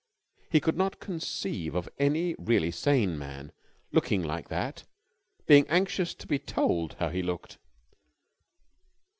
He could not conceive of any really sane man, looking like that, being anxious to be told how he looked.